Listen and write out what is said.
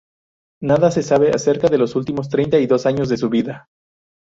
Nada se sabe acerca de los últimos treinta y dos años de su vida.